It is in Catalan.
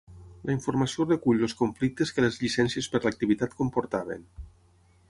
La informació recull els conflictes que les llicències per l'activitat comportaven.